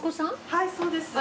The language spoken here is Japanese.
はいそうです。